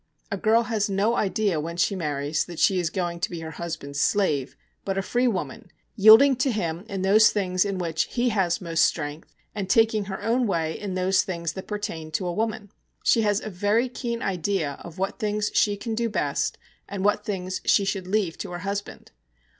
A girl has no idea when she marries that she is going to be her husband's slave, but a free woman, yielding to him in those things in which he has most strength, and taking her own way in those things that pertain to a woman. She has a very keen idea of what things she can do best, and what things she should leave to her husband.